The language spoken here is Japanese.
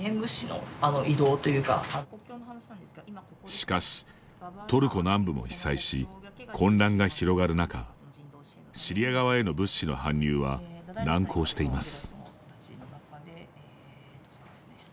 しかし、トルコ南部も被災し混乱が広がる中シリア側への物資の搬入は難航しています。